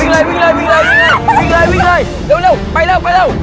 เร็วเร็วเร็วเร็ว